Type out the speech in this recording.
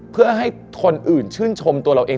เพื่อให้คนอื่นชื่นชมตัวเราเอง